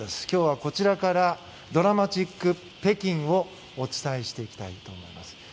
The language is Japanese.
今日は、こちらから銅鑼マチック北京をお伝えしていきたいと思います。